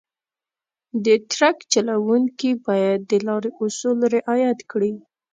د ټرک چلونکي باید د لارې اصول رعایت کړي.